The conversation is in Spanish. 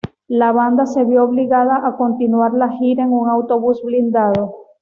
La banda se vio obligada a continuar la gira en un autobús blindado.